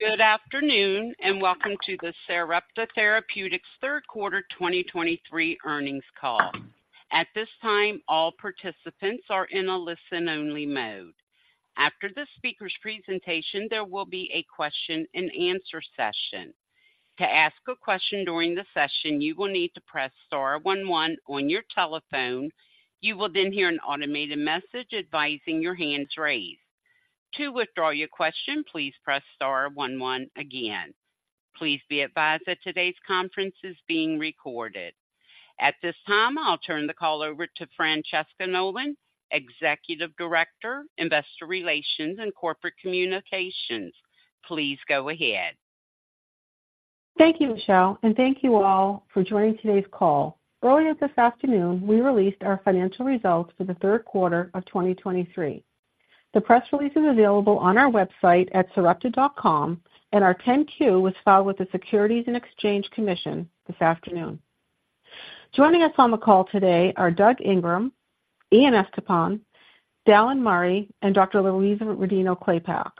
Good afternoon, and welcome to the Sarepta Therapeutics third quarter 2023 earnings call. At this time, all participants are in a listen-only mode. After the speaker's presentation, there will be a question-and-answer session. To ask a question during the session, you will need to press star one one on your telephone. You will then hear an automated message advising your hand's raised. To withdraw your question, please press star one one again. Please be advised that today's conference is being recorded. At this time, I'll turn the call over to Francesca Nolan, Executive Director, Investor Relations and Corporate Communications. Please go ahead. Thank you, Michelle, and thank you all for joining today's call. Earlier this afternoon, we released our financial results for the third quarter of 2023. The press release is available on our website at sarepta.com, and our 10-Q was filed with the Securities and Exchange Commission this afternoon. Joining us on the call today are Doug Ingram, Ian Estepan, Dallan Murray, and Dr. Louise Rodino-Klapac.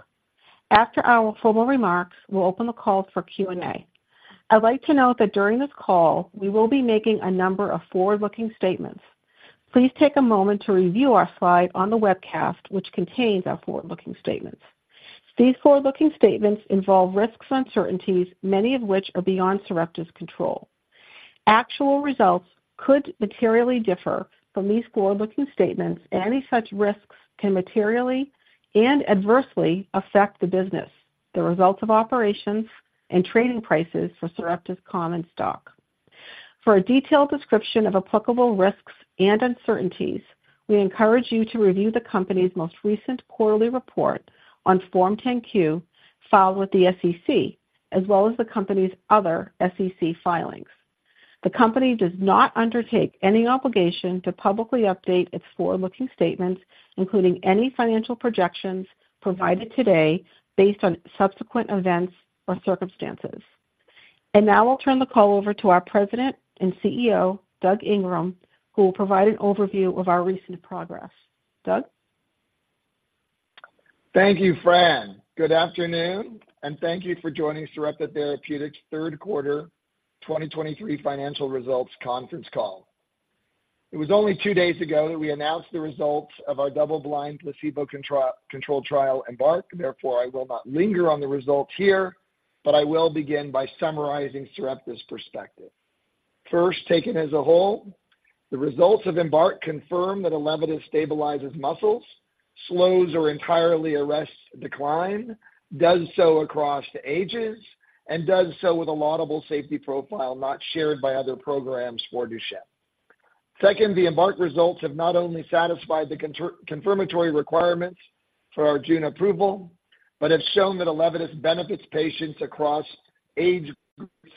After our formal remarks, we'll open the call for Q&A. I'd like to note that during this call, we will be making a number of forward-looking statements. Please take a moment to review our slide on the webcast, which contains our forward-looking statements. These forward-looking statements involve risks and uncertainties, many of which are beyond Sarepta's control. Actual results could materially differ from these forward-looking statements, and any such risks can materially and adversely affect the business, the results of operations, and trading prices for Sarepta's common stock. For a detailed description of applicable risks and uncertainties, we encourage you to review the company's most recent quarterly report on Form 10-Q, filed with the SEC, as well as the company's other SEC filings. The company does not undertake any obligation to publicly update its forward-looking statements, including any financial projections provided today based on subsequent events or circumstances. And now I'll turn the call over to our President and CEO, Doug Ingram, who will provide an overview of our recent progress. Doug? Thank you, Fran. Good afternoon, and thank you for joining Sarepta Therapeutics' third quarter 2023 financial results conference call. It was only two days ago that we announced the results of our double-blind placebo-controlled trial, EMBARK. Therefore, I will not linger on the results here, but I will begin by summarizing Sarepta's perspective. First, taken as a whole, the results of EMBARK confirm that ELEVIDYS stabilizes muscles, slows or entirely arrests decline, does so across the ages, and does so with a laudable safety profile not shared by other programs for Duchenne. Second, the EMBARK results have not only satisfied the confirmatory requirements for our June approval, but have shown that ELEVIDYS benefits patients across age groups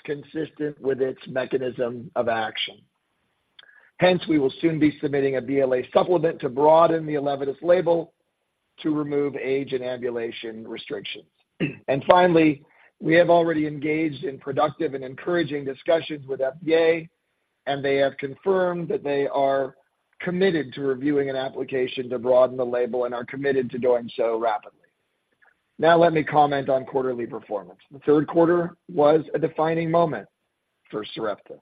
consistent with its mechanism of action. Hence, we will soon be submitting a BLA supplement to broaden the ELEVIDYS label to remove age and ambulation restrictions. And finally, we have already engaged in productive and encouraging discussions with FDA, and they have confirmed that they are committed to reviewing an application to broaden the label and are committed to doing so rapidly. Now, let me comment on quarterly performance. The third quarter was a defining moment for Sarepta.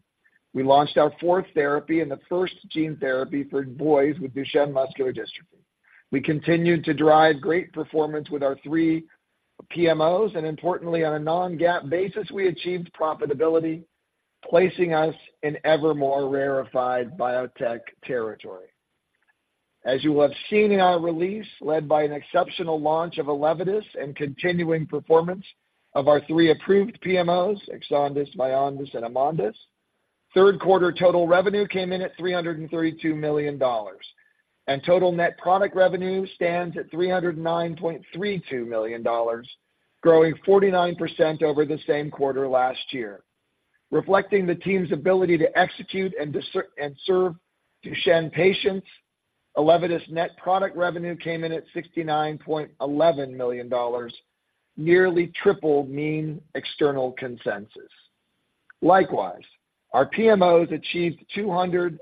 We launched our fourth therapy and the first gene therapy for boys with Duchenne muscular dystrophy. We continued to drive great performance with our three PMOs, and importantly, on a non-GAAP basis, we achieved profitability, placing us in ever more rarefied biotech territory. As you have seen in our release, led by an exceptional launch of ELEVIDYS and continuing performance of our three approved PMOs, EXONDYS, VYONDYS, and AMONDYS, third quarter total revenue came in at $332 million, and total net product revenue stands at $309.32 million, growing 49% over the same quarter last year. Reflecting the team's ability to execute and deserve and serve Duchenne patients, ELEVIDYS' net product revenue came in at $69.11 million, nearly triple mean external consensus. Likewise, our PMOs achieved $240.21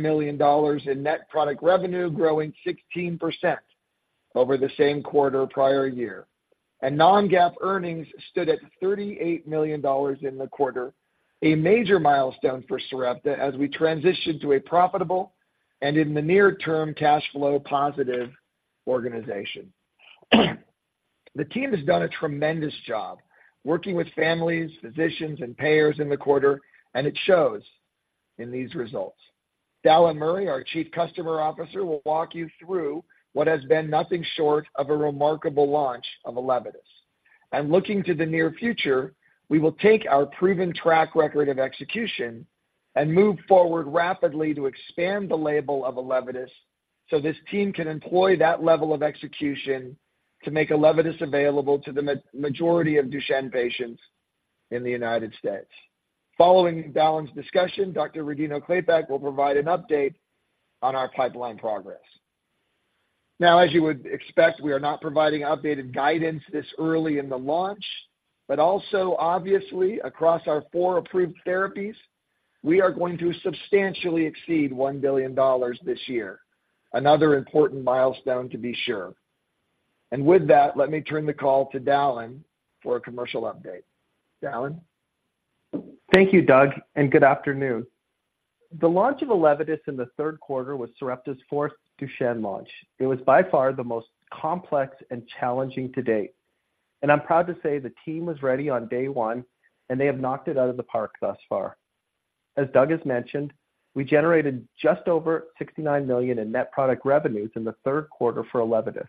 million in net product revenue, growing 16% over the same quarter prior year. non-GAAP earnings stood at $38 million in the quarter, a major milestone for Sarepta as we transition to a profitable and in the near term, cash flow positive organization. The team has done a tremendous job working with families, physicians, and payers in the quarter, and it shows in these results. Dallan Murray, our Chief Customer Officer, will walk you through what has been nothing short of a remarkable launch of ELEVIDYS. And looking to the near future, we will take our proven track record of execution and move forward rapidly to expand the label of ELEVIDYS, so this team can employ that level of execution to make ELEVIDYS available to the majority of Duchenne patients in the United States. Following Dallan's discussion, Dr. Rodino-Klapac will provide an update on our pipeline progress. Now, as you would expect, we are not providing updated guidance this early in the launch, but also obviously, across our four approved therapies... We are going to substantially exceed $1 billion this year. Another important milestone, to be sure. With that, let me turn the call to Dallan for a commercial update. Dallan? Thank you, Doug, and good afternoon. The launch of ELEVIDYS in the third quarter was Sarepta's fourth Duchenne launch. It was by far the most complex and challenging to date, and I'm proud to say the team was ready on day one, and they have knocked it out of the park thus far. As Doug has mentioned, we generated just over $69 million in net product revenues in the third quarter for ELEVIDYS.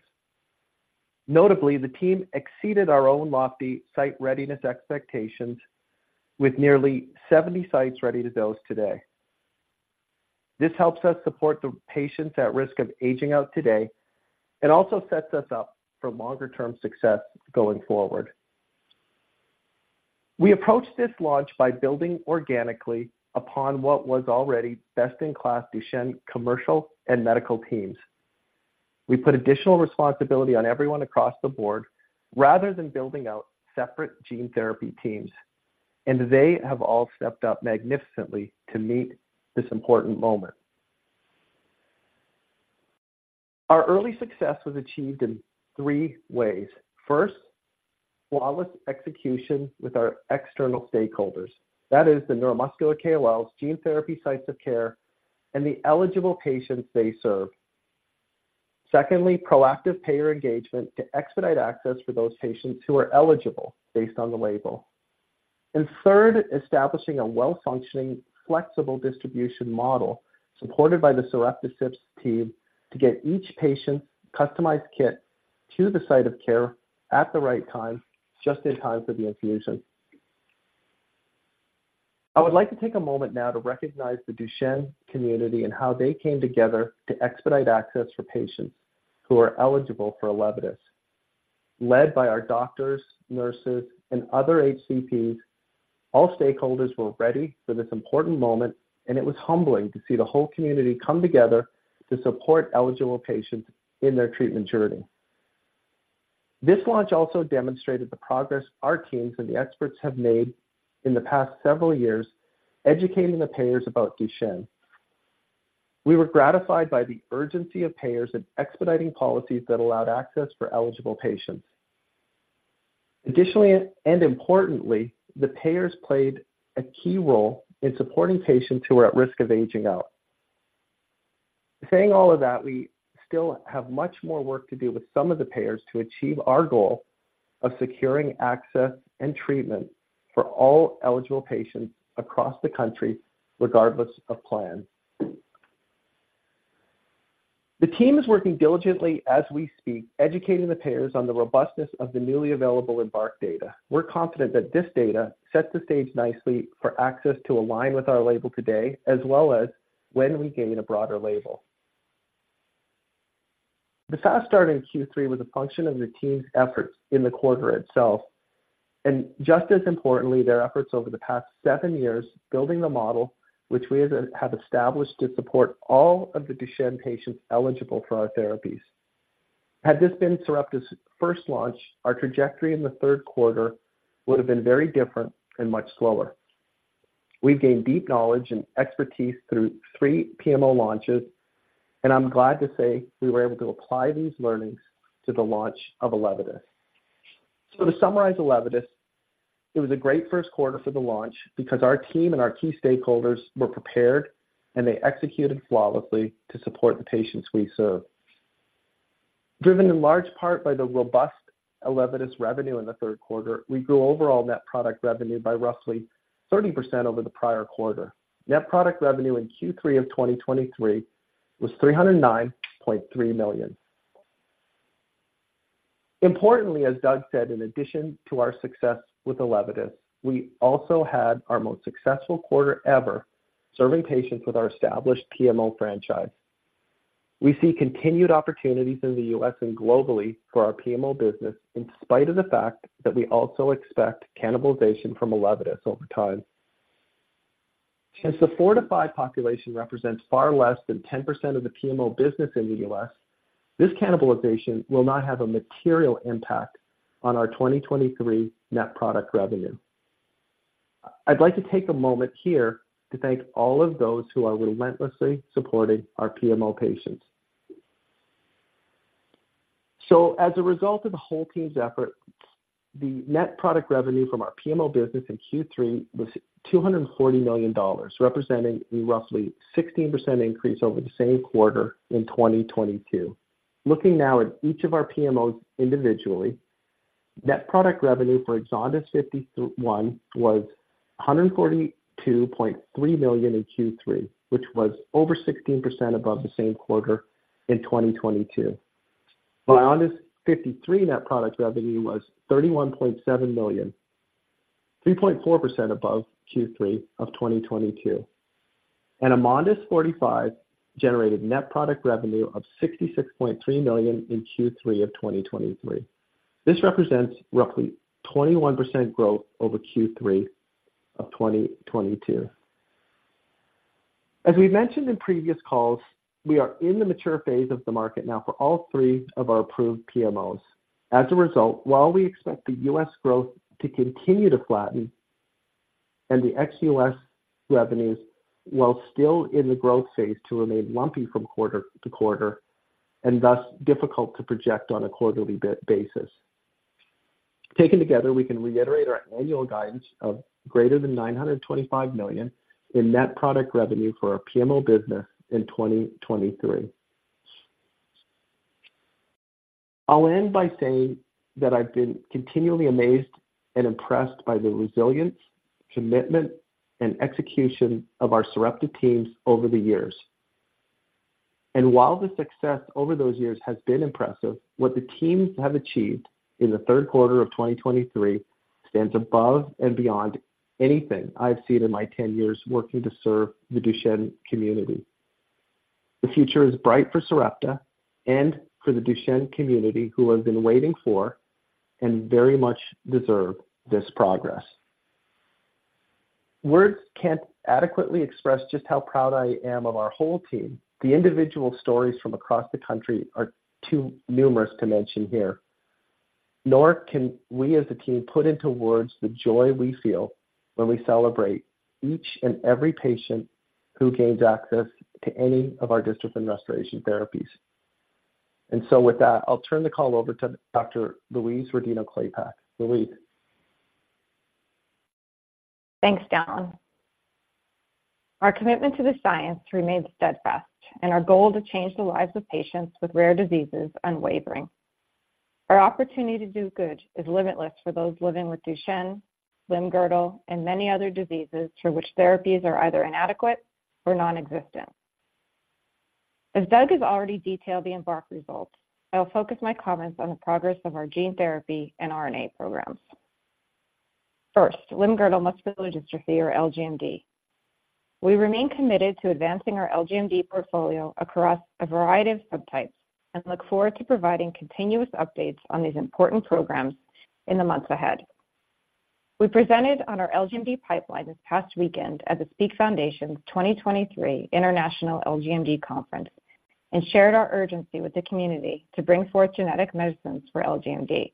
Notably, the team exceeded our own lofty site readiness expectations with nearly 70 sites ready to dose today. This helps us support the patients at risk of aging out today and also sets us up for longer-term success going forward. We approached this launch by building organically upon what was already best-in-class Duchenne commercial and medical teams. We put additional responsibility on everyone across the board rather than building out separate gene therapy teams, and they have all stepped up magnificently to meet this important moment. Our early success was achieved in three ways. First, flawless execution with our external stakeholders, that is, the neuromuscular KOLs, gene therapy sites of care, and the eligible patients they serve. Secondly, proactive payer engagement to expedite access for those patients who are eligible based on the label. And third, establishing a well-functioning, flexible distribution model supported by the Sarepta SIPS team to get each patient's customized kit to the site of care at the right time, just in time for the infusion. I would like to take a moment now to recognize the Duchenne community and how they came together to expedite access for patients who are eligible for ELEVIDYS. Led by our doctors, nurses, and other HCPs, all stakeholders were ready for this important moment, and it was humbling to see the whole community come together to support eligible patients in their treatment journey. This launch also demonstrated the progress our teams and the experts have made in the past several years, educating the payers about Duchenne. We were gratified by the urgency of payers in expediting policies that allowed access for eligible patients. Additionally, and importantly, the payers played a key role in supporting patients who are at risk of aging out. Saying all of that, we still have much more work to do with some of the payers to achieve our goal of securing access and treatment for all eligible patients across the country, regardless of plan. The team is working diligently as we speak, educating the payers on the robustness of the newly available EMBARK data. We're confident that this data sets the stage nicely for access to align with our label today, as well as when we gain a broader label. The fast start in Q3 was a function of the team's efforts in the quarter itself, and just as importantly, their efforts over the past 7 years, building the model which we have established to support all of the Duchenne patients eligible for our therapies. Had this been Sarepta's first launch, our trajectory in the third quarter would have been very different and much slower. We've gained deep knowledge and expertise through 3 PMO launches, and I'm glad to say we were able to apply these learnings to the launch of ELEVIDYS. To summarize ELEVIDYS, it was a great first quarter for the launch because our team and our key stakeholders were prepared, and they executed flawlessly to support the patients we serve. Driven in large part by the robust ELEVIDYS revenue in the third quarter, we grew overall net product revenue by roughly 30% over the prior quarter. Net product revenue in Q3 of 2023 was $309.3 million. Importantly, as Doug said, in addition to our success with ELEVIDYS, we also had our most successful quarter ever serving patients with our established PMO franchise. We see continued opportunities in the U.S. and globally for our PMO business, in spite of the fact that we also expect cannibalization from ELEVIDYS over time. Since the 4-5 population represents far less than 10% of the PMO business in the U.S., this cannibalization will not have a material impact on our 2023 net product revenue. I'd like to take a moment here to thank all of those who are relentlessly supporting our PMO patients. So as a result of the whole team's effort, the net product revenue from our PMO business in Q3 was $240 million, representing a roughly 16% increase over the same quarter in 2022. Looking now at each of our PMOs individually, net product revenue for EXONDYS 51 was $142.3 million in Q3, which was over 16% above the same quarter in 2022. VYONDYS 53 net product revenue was $31.7 million, 3.4% above Q3 of 2022. And AMONDYS 45 generated net product revenue of $66.3 million in Q3 of 2023. This represents roughly 21% growth over Q3 of 2022.... As we've mentioned in previous calls, we are in the mature phase of the market now for all three of our approved PMOs. As a result, while we expect the U.S. growth to continue to flatten and the ex-U.S. revenues, while still in the growth phase II remain lumpy from quarter to quarter, and thus difficult to project on a quarterly basis. Taken together, we can reiterate our annual guidance of greater than $925 million in net product revenue for our PMO business in 2023. I'll end by saying that I've been continually amazed and impressed by the resilience, commitment, and execution of our Sarepta teams over the years. And while the success over those years has been impressive, what the teams have achieved in the third quarter of 2023 stands above and beyond anything I've seen in my 10 years working to serve the Duchenne community. The future is bright for Sarepta and for the Duchenne community, who have been waiting for and very much deserve this progress. Words can't adequately express just how proud I am of our whole team. The individual stories from across the country are too numerous to mention here, nor can we, as a team, put into words the joy we feel when we celebrate each and every patient who gains access to any of our dystrophin restoration therapies. And so with that, I'll turn the call over to Dr. Louise Rodino-Klapac. Louise? Thanks, Dallan. Our commitment to the science remains steadfast, and our goal to change the lives of patients with rare diseases unwavering. Our opportunity to do good is limitless for those living with Duchenne, Limb-Girdle, and many other diseases for which therapies are either inadequate or nonexistent. As Doug has already detailed the EMBARK results, I will focus my comments on the progress of our gene therapy and RNA programs. First, Limb-Girdle Muscular Dystrophy, or LGMD. We remain committed to advancing our LGMD portfolio across a variety of subtypes and look forward to providing continuous updates on these important programs in the months ahead. We presented on our LGMD pipeline this past weekend at the Speak Foundation's 2023 International LGMD Conference and shared our urgency with the community to bring forth genetic medicines for LGMD.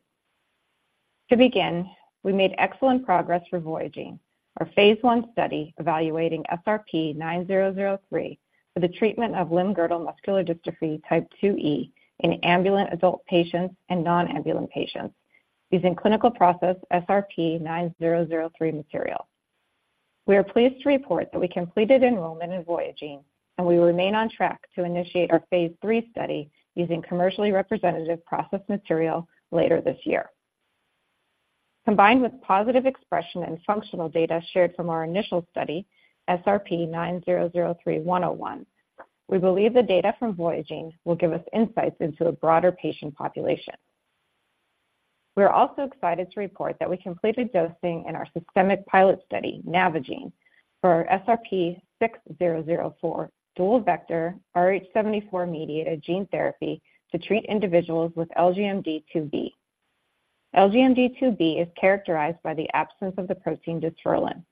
To begin, we made excellent progress for VOYAGENE, our phase I study evaluating SRP-9003 for the treatment of limb-girdle muscular dystrophy Type 2E in ambulant adult patients and non-ambulant patients using clinical process SRP-9003 material. We are pleased to report that we completed enrollment in VOYAGENE, and we remain on track to initiate our phase III study using commercially representative processed material later this year. Combined with positive expression and functional data shared from our initial study, SRP-9003-101, we believe the data from VOYAGENE will give us insights into a broader patient population. We are also excited to report that we completed dosing in our systemic pilot study, NAVIGENE, for SRP-6004 dual vector RH74-mediated gene therapy to treat individuals with LGMD2B. LGMD2B is characterized by the absence of the protein dysferlin.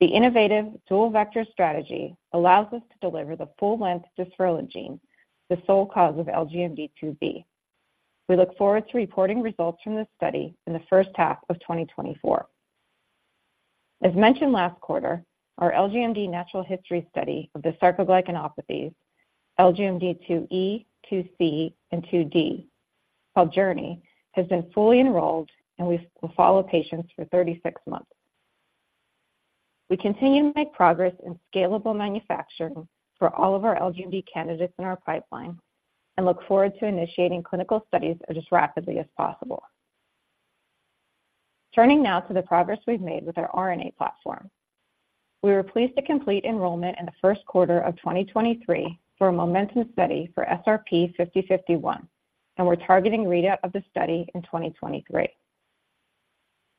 The innovative dual-vector strategy allows us to deliver the full-length dystrophin gene, the sole cause of LGMD2B. We look forward to reporting results from this study in the first half of 2024. As mentioned last quarter, our LGMD Natural History Study of the sarcoglycanopathies, LGMD 2E, 2C, and 2D, called JOURNEY, has been fully enrolled, and we will follow patients for 36 months. We continue to make progress in scalable manufacturing for all of our LGMD candidates in our pipeline and look forward to initiating clinical studies as rapidly as possible. Turning now to the progress we've made with our RNA platform. We were pleased to complete enrollment in the first quarter of 2023 for a MOMENTUM study for SRP-5051, and we're targeting readout of the study in 2023.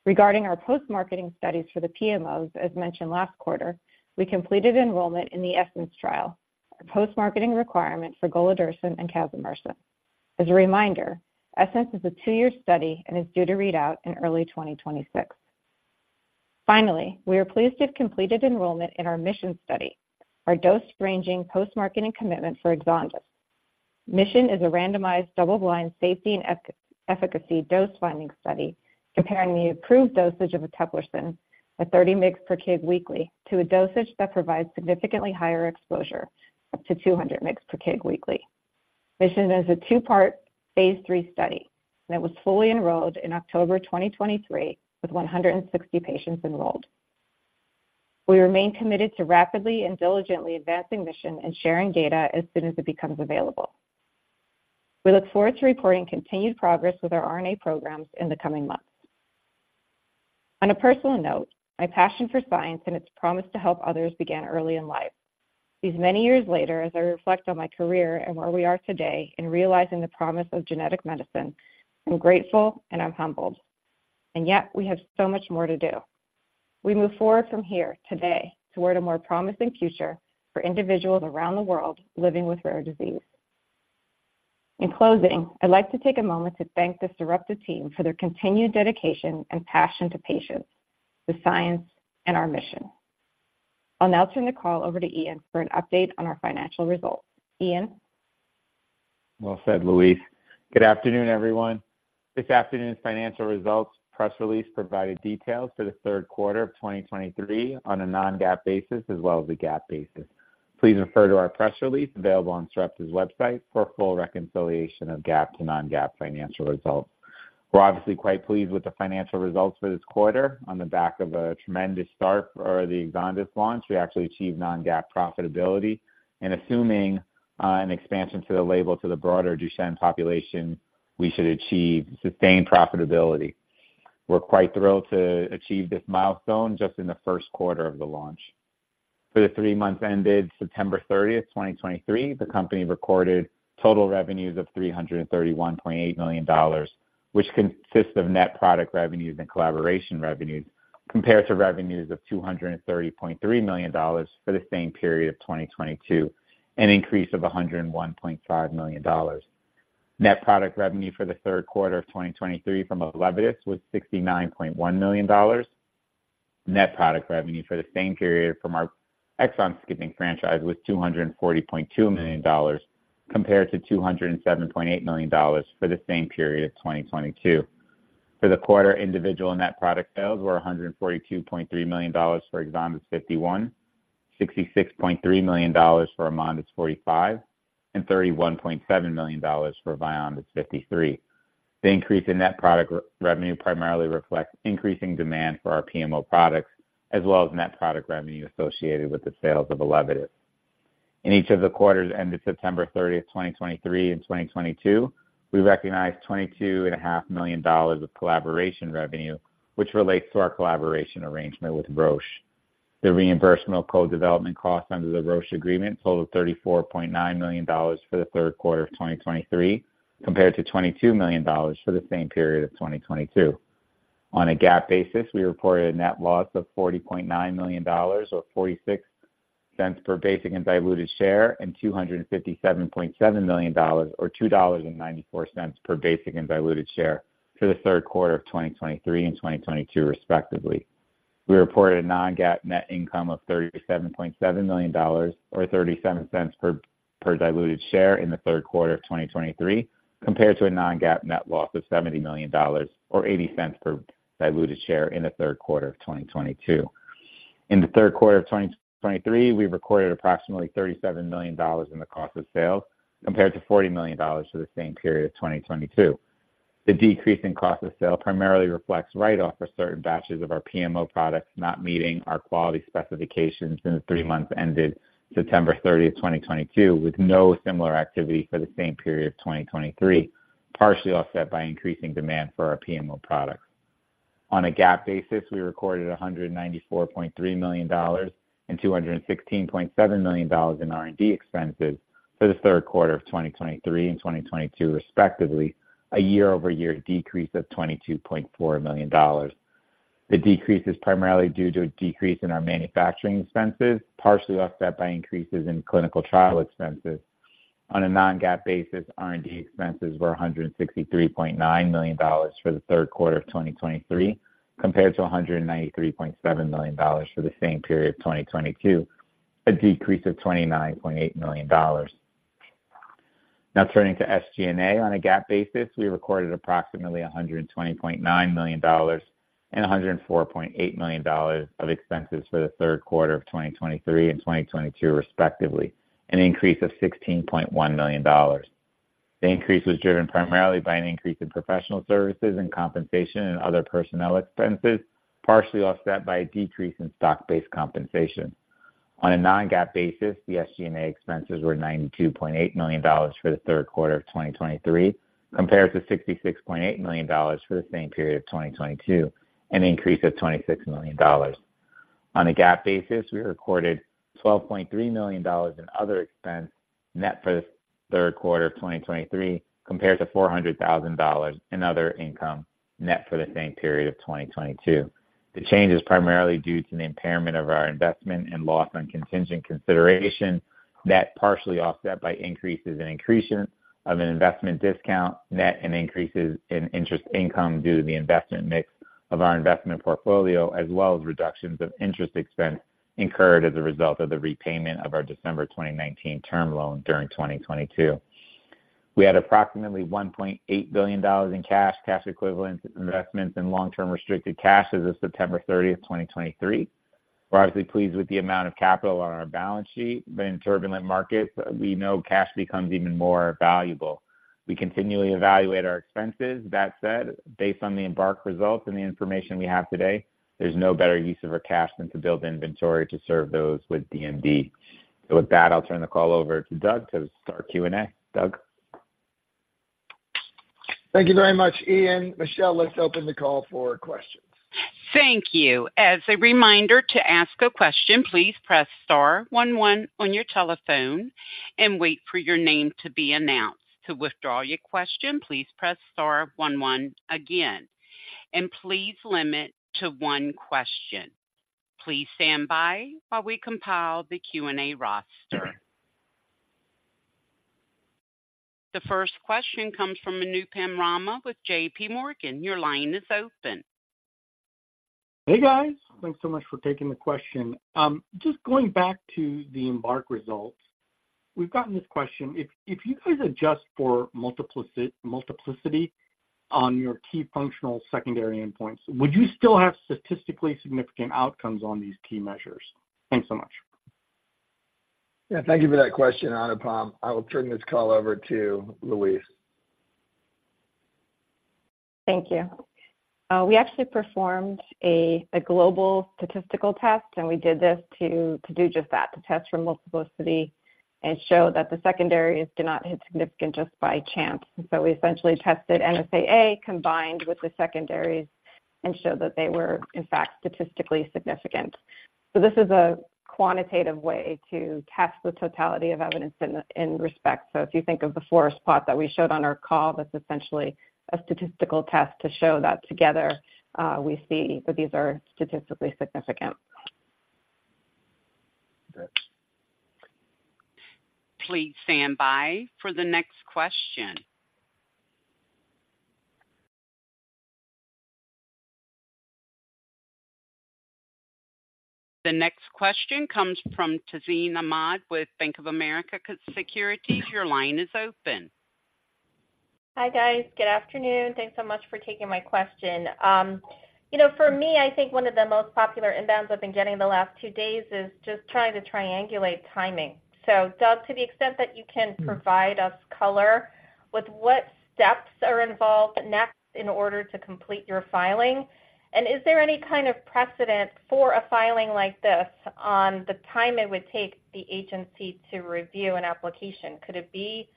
Regarding our post-marketing studies for the PMOs, as mentioned last quarter, we completed enrollment in the ESSENCE trial, our post-marketing requirement for golodirsen and casimersen. As a reminder, ESSENCE is a two-year study and is due to read out in early 2026. Finally, we are pleased to have completed enrollment in our MISSION study, our dose-ranging post-marketing commitment for EXONDYS. MISSION is a randomized, double-blind, safety and efficacy, dose-finding study comparing the approved dosage of eteplirsen at 30 mg/kg weekly to a dosage that provides significantly higher exposure, up to 200 mg/kg weekly. MISSION is a two-part phase III study, and it was fully enrolled in October 2023, with 160 patients enrolled. We remain committed to rapidly and diligently advancing MISSION and sharing data as soon as it becomes available. We look forward to reporting continued progress with our RNA programs in the coming months. On a personal note, my passion for science and its promise to help others began early in life. These many years later, as I reflect on my career and where we are today in realizing the promise of genetic medicine, I'm grateful and I'm humbled, and yet we have so much more to do. We move forward from here today toward a more promising future for individuals around the world living with rare disease.... In closing, I'd like to take a moment to thank the Sarepta team for their continued dedication and passion to patients, the science, and our mission. I'll now turn the call over to Ian for an update on our financial results. Ian? Well said, Louise. Good afternoon, everyone. This afternoon's financial results press release provided details for the third quarter of 2023 on a non-GAAP basis as well as the GAAP basis. Please refer to our press release, available on Sarepta's website, for a full reconciliation of GAAP to non-GAAP financial results. We're obviously quite pleased with the financial results for this quarter. On the back of a tremendous start for the EXONDYS launch, we actually achieved non-GAAP profitability. And assuming an expansion to the label to the broader Duchenne population, we should achieve sustained profitability. We're quite thrilled to achieve this milestone just in the first quarter of the launch. For the three months ended September 30, 2023, the company recorded total revenues of $331.8 million, which consists of net product revenues and collaboration revenues, compared to revenues of $230.3 million for the same period of 2022, an increase of $101.5 million. Net product revenue for the third quarter of 2023 from ELEVIDYS was $69.1 million. Net product revenue for the same period from our exon-skipping franchise was $240.2 million, compared to $207.8 million for the same period of 2022. For the quarter, individual net product sales were $142.3 million for EXONDYS 51, $66.3 million for AMONDYS 45, and $31.7 million for VYONDYS 53. The increase in net product revenue primarily reflects increasing demand for our PMO products, as well as net product revenue associated with the sales of ELEVIDYS. In each of the quarters ended September 30, 2023 and 2022, we recognized $22.5 million of collaboration revenue, which relates to our collaboration arrangement with Roche. The reimbursement of co-development costs under the Roche agreement totaled $34.9 million for the third quarter of 2023, compared to $22 million for the same period of 2022. On a GAAP basis, we reported a net loss of $40.9 million, or $0.46 per basic and diluted share, and $257.7 million, or $2.94 per basic and diluted share for the third quarter of 2023 and 2022, respectively. We reported a non-GAAP net income of $37.7 million, or $0.37 per diluted share in the third quarter of 2023, compared to a non-GAAP net loss of $70 million, or $0.80 per diluted share in the third quarter of 2022. In the third quarter of 2023, we recorded approximately $37 million in the cost of sales, compared to $40 million for the same period of 2022. The decrease in cost of sales primarily reflects write-off for certain batches of our PMO products not meeting our quality specifications in the three months ended September 30, 2022, with no similar activity for the same period of 2023, partially offset by increasing demand for our PMO products. On a GAAP basis, we recorded $194.3 million and $216.7 million in R&D expenses for the third quarter of 2023 and 2022, respectively, a year-over-year decrease of $22.4 million. The decrease is primarily due to a decrease in our manufacturing expenses, partially offset by increases in clinical trial expenses. On a non-GAAP basis, R&D expenses were $163.9 million for the third quarter of 2023, compared to $193.7 million for the same period of 2022, a decrease of $29.8 million. Now, turning to SG&A. On a GAAP basis, we recorded approximately $120.9 million and $104.8 million of expenses for the third quarter of 2023 and 2022, respectively, an increase of $16.1 million. The increase was driven primarily by an increase in professional services and compensation and other personnel expenses, partially offset by a decrease in stock-based compensation. On a non-GAAP basis, the SG&A expenses were $92.8 million for the third quarter of 2023, compared to $66.8 million for the same period of 2022, an increase of $26 million. On a GAAP basis, we recorded $12.3 million in other expense net for the third quarter of 2023, compared to $400,000 in other income net for the same period of 2022. The change is primarily due to the impairment of our investment and loss on contingent consideration, net partially offset by increases in accretion of an investment discount, net and increases in interest income due to the investment mix of our investment portfolio, as well as reductions of interest expense incurred as a result of the repayment of our December 2019 term loan during 2022. We had approximately $1.8 billion in cash, cash equivalents, investments, and long-term restricted cash as of September 30, 2023. We're obviously pleased with the amount of capital on our balance sheet, but in turbulent markets, we know cash becomes even more valuable. We continually evaluate our expenses. That said, based on the EMBARK results and the information we have today, there's no better use of our cash than to build inventory to serve those with DMD. So with that, I'll turn the call over to Doug to start Q&A. Doug? Thank you very much, Ian. Michelle, let's open the call for questions. Thank you. As a reminder, to ask a question, please press star one one on your telephone and wait for your name to be announced. To withdraw your question, please press star one one again, and please limit to one question.... Please stand by while we compile the Q&A roster. The first question comes from Anupam Rama with JPMorgan. Your line is open. Hey, guys. Thanks so much for taking the question. Just going back to the EMBARK results, we've gotten this question. If you guys adjust for multiplicity on your key functional secondary endpoints, would you still have statistically significant outcomes on these key measures? Thanks so much. Yeah, thank you for that question, Anupam. I will turn this call over to Louise. Thank you. We actually performed a global statistical test, and we did this to do just that, to test for multiplicity and show that the secondaries did not hit significant just by chance. So we essentially tested NSAA, combined with the secondaries, and showed that they were, in fact, statistically significant. So this is a quantitative way to test the totality of evidence in respect. So if you think of the forest plot that we showed on our call, that's essentially a statistical test to show that together, we see that these are statistically significant. Great. Please stand by for the next question. The next question comes from Tazeen Ahmad with Bank of America Securities. Your line is open. Hi, guys. Good afternoon. Thanks so much for taking my question. You know, for me, I think one of the most popular inbounds I've been getting in the last two days is just trying to triangulate timing. So Doug, to the extent that you can provide us color with what steps are involved next in order to complete your filing, and is there any kind of precedent for a filing like this on the time it would take the agency to review an application? Could it be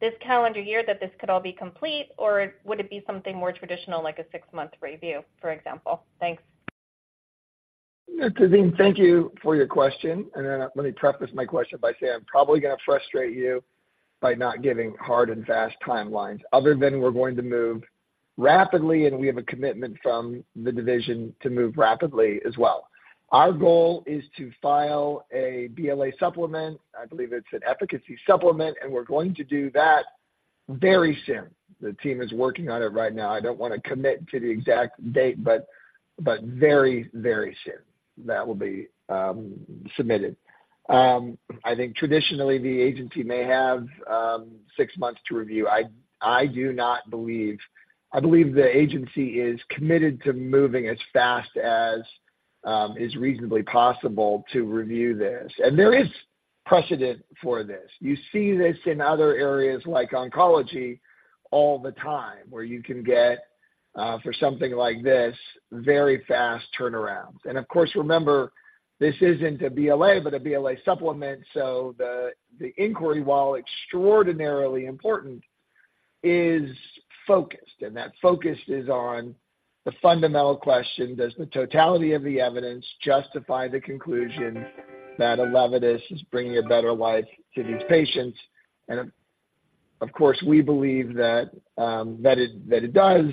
this calendar year that this could all be complete, or would it be something more traditional, like a six-month review, for example? Thanks. Tazeen, thank you for your question. Then let me preface my question by saying I'm probably going to frustrate you by not giving hard and fast timelines other than we're going to move rapidly, and we have a commitment from the division to move rapidly as well. Our goal is to file a BLA supplement. I believe it's an efficacy supplement, and we're going to do that very soon. The team is working on it right now. I don't want to commit to the exact date, but very, very soon that will be submitted. I think traditionally, the agency may have six months to review. I do not believe—I believe the agency is committed to moving as fast as is reasonably possible to review this. And there is precedent for this. You see this in other areas like oncology all the time, where you can get, for something like this, very fast turnarounds. And of course, remember, this isn't a BLA, but a BLA supplement, so the, the inquiry, while extraordinarily important, is focused, and that focus is on the fundamental question: Does the totality of the evidence justify the conclusion that ELEVIDYS is bringing a better life to these patients? And of course, we believe that, that it, that it does.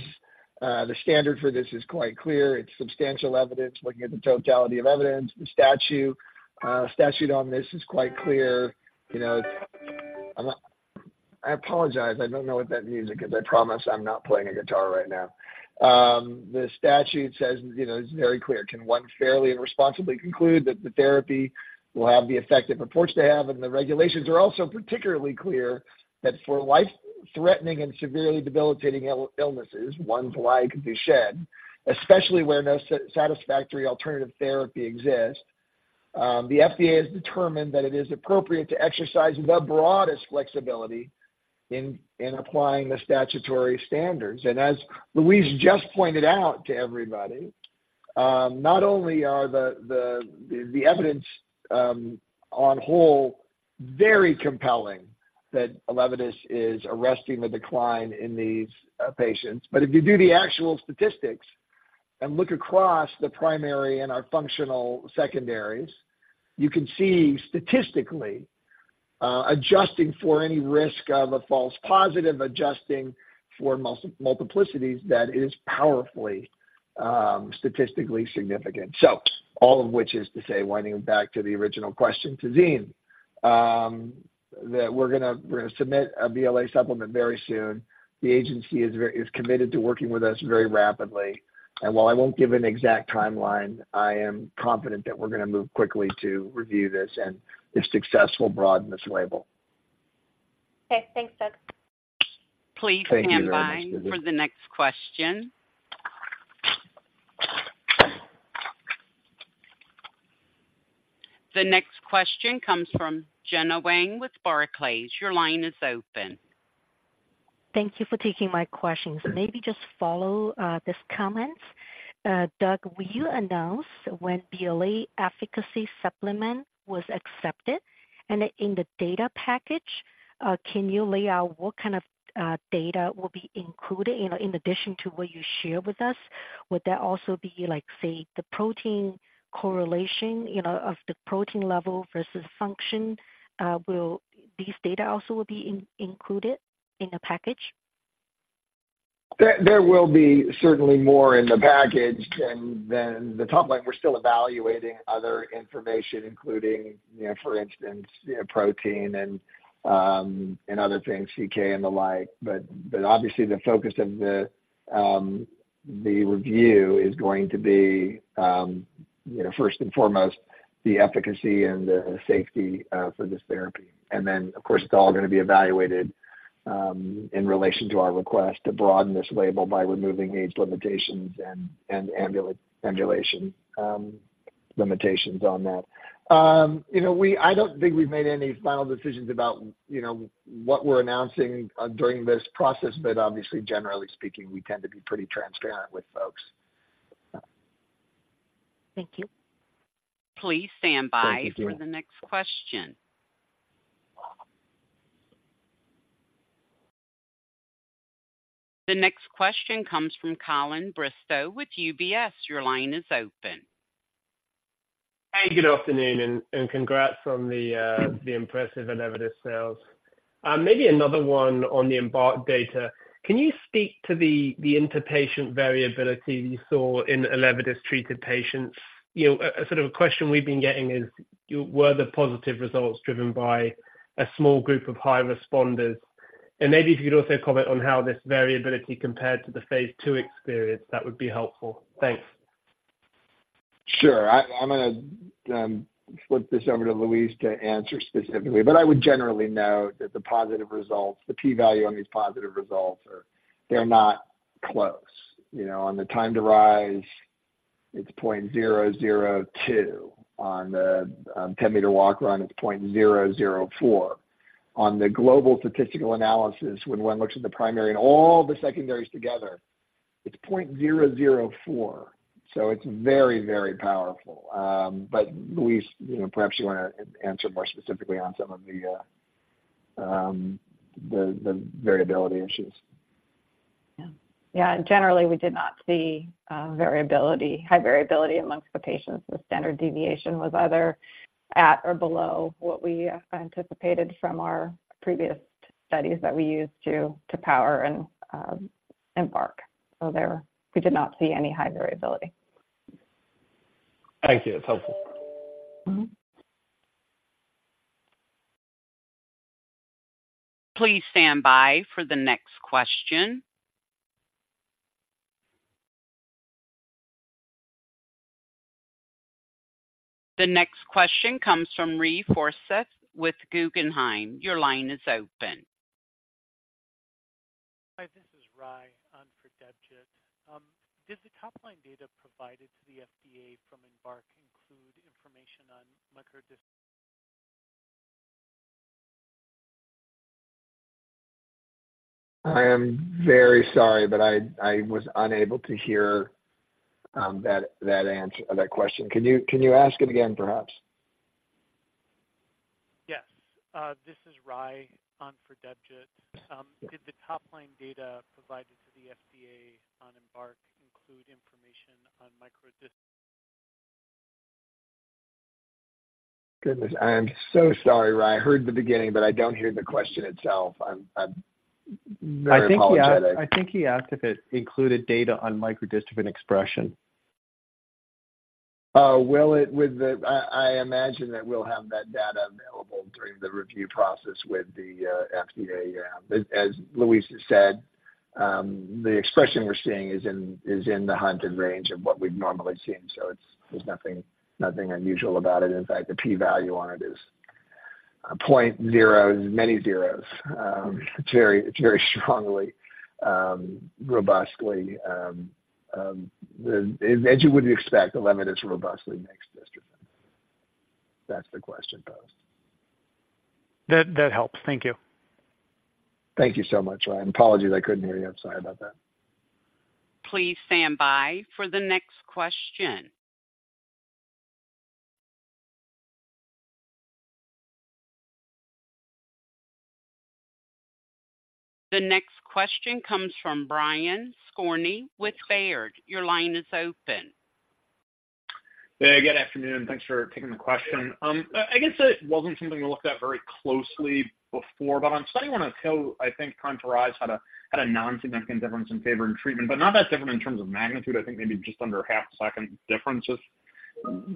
The standard for this is quite clear. It's substantial evidence. Looking at the totality of evidence, the statute on this is quite clear. You know, I'm not. I apologize. I don't know what that music is. I promise I'm not playing a guitar right now. The statute says, you know, it's very clear. Can one fairly and responsibly conclude that the therapy will have the effect it reports to have? The regulations are also particularly clear that for life-threatening and severely debilitating illnesses, ones like Duchenne, especially where no satisfactory alternative therapy exists, the FDA has determined that it is appropriate to exercise the broadest flexibility in applying the statutory standards. As Louise just pointed out to everybody, not only is the evidence on the whole very compelling that ELEVIDYS is arresting the decline in these patients, but if you do the actual statistics and look across the primary and our functional secondaries, you can see statistically adjusting for any risk of a false positive, adjusting for multiplicities, that is powerfully statistically significant. So all of which is to say, winding back to the original question, Tazeen, that we're gonna submit a BLA supplement very soon. The agency is very committed to working with us very rapidly, and while I won't give an exact timeline, I am confident that we're gonna move quickly to review this and, if successful, broaden this label. Okay, thanks, Doug. Thank you very much, Tazeen. Please stand by for the next question. The next question comes from Gena Wang with Barclays. Your line is open. Thank you for taking my questions. Maybe just follow these comments. Doug, will you announce when BLA efficacy supplement was accepted? And in the data package, can you lay out what kind of data will be included in addition to what you share with us? Would that also be like, say, the protein correlation, you know, of the protein level versus function? Will these data also be included in the package?... There will be certainly more in the package than the top line. We're still evaluating other information, including, you know, for instance, you know, protein and other things, CK and the like. But obviously, the focus of the review is going to be, you know, first and foremost, the efficacy and the safety for this therapy. And then, of course, it's all gonna be evaluated in relation to our request to broaden this label by removing age limitations and ambulation limitations on that. You know, we—I don't think we've made any final decisions about, you know, what we're announcing during this process, but obviously, generally speaking, we tend to be pretty transparent with folks. Thank you. Please stand by. Thank you. For the next question. The next question comes from Colin Bristow with UBS. Your line is open. Hey, good afternoon, and congrats on the impressive ELEVIDYS sales. Maybe another one on the EMBARK data. Can you speak to the interpatient variability you saw in ELEVIDYS-treated patients? You know, a sort of question we've been getting is, were the positive results driven by a small group of high responders? And maybe if you could also comment on how this variability compared to the phase II experience, that would be helpful. Thanks. Sure. I'm gonna flip this over to Louise to answer specifically, but I would generally note that the positive results, the p-value on these positive results are, they're not close. You know, on the time to rise, it's 0.002. On the ten-meter walk or run, it's 0.004. On the global statistical analysis, when one looks at the primary and all the secondaries together, it's 0.004. So it's very, very powerful. But Louise, you know, perhaps you wanna answer more specifically on some of the the variability issues. Yeah. Yeah, generally, we did not see variability, high variability among the patients. The standard deviation was either at or below what we anticipated from our previous studies that we used to power and EMBARK. So there, we did not see any high variability. Thank you. That's helpful. Mm-hmm. Please stand by for the next question. The next question comes from Ry Forseth with Guggenheim. Your line is open. Hi, this is Ry on for Debjit. Did the top-line data provided to the FDA from EMBARK include information on micro dist- I am very sorry, but I was unable to hear that answer - that question. Can you ask it again, perhaps? Yes. This is Ry on for Debjit. Did the top-line data provided to the FDA on EMBARK include information on micro dist- Goodness, I am so sorry, Ry. I heard the beginning, but I don't hear the question itself. I'm, I'm very apologetic. I think he asked, I think he asked if it included data on Microdystrophin expression. Oh, well, it would... I imagine that we'll have that data available during the review process with the FDA, yeah. As Louise has said, the expression we're seeing is in the hundred range of what we've normally seen, so it's, there's nothing unusual about it. In fact, the p-value on it is a point zero, many zeros. It's very, it's very strongly robustly, as you would expect, ELEVIDYS robustly makes dystrophin. If that's the question posed. That, that helps. Thank you. Thank you so much, Ry. Apologies, I couldn't hear you. I'm sorry about that. Please stand by for the next question. The next question comes from Brian Skorney with Baird. Your line is open. Hey, good afternoon. Thanks for taking the question. I guess it wasn't something to look at very closely before, but on study 102, I think Time to Rise had a non-significant difference in favor in treatment, but not that different in terms of magnitude, I think maybe just under a half second differences.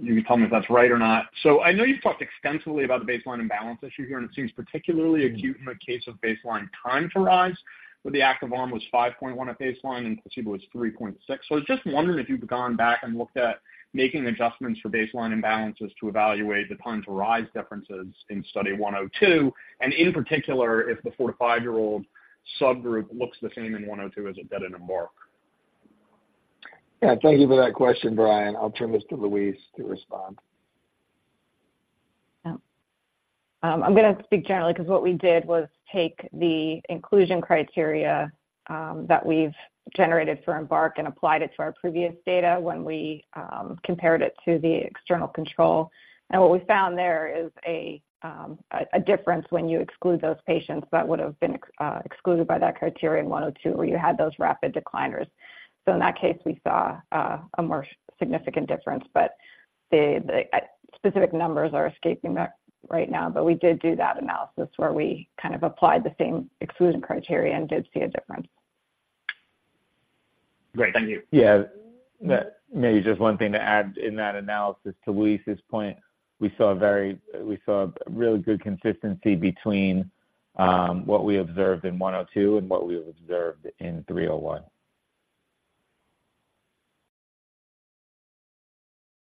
You can tell me if that's right or not. So I know you've talked extensively about the baseline imbalance issue here, and it seems particularly acute in the case of baseline Time to Rise, where the active arm was 5.1 at baseline, and placebo was 3.6. I was just wondering if you've gone back and looked at making adjustments for baseline imbalances to evaluate the time to rise differences in study 102, and in particular, if the 4-5-year-old subgroup looks the same in study 102 as it did in EMBARK. Yeah, thank you for that question, Brian. I'll turn this to Louise to respond. Yeah. I'm gonna speak generally, 'cause what we did was take the inclusion criteria that we've generated for EMBARK and applied it to our previous data when we compared it to the external control. And what we found there is a difference when you exclude those patients that would have been excluded by that criteria in 102, where you had those rapid decliners. So in that case, we saw a more significant difference. But-... The specific numbers are escaping me right now, but we did do that analysis where we kind of applied the same exclusion criteria and did see a difference. Great. Thank you. Yeah. Maybe just one thing to add in that analysis, to Louise's point, we saw a really good consistency between what we observed in 102 and what we observed in 301.